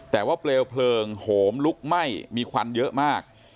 แต่ว่าเปลวเพลิงโหมลุกไหม้มีควันเยอะมาก